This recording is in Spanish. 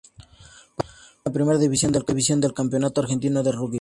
Participa en la Primera División del Campeonato Argentino de Rugby.